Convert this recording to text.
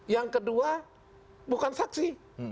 yang kedua bukan saksi